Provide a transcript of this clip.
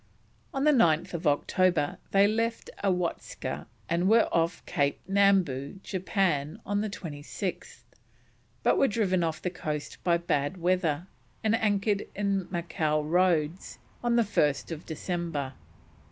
On 9th October they left Awatska and were off Cape Nambu, Japan, on the 26th, but were driven off the coast by bad weather, and anchored in Macao Roads on 1st December.